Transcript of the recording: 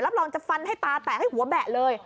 รองจะฟันให้ตาแตกให้หัวแบะเลย